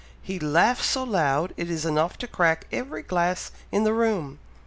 He laughs so loud, it is enough to crack every glass in the room!